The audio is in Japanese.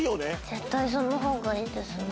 絶対その方がいいですね。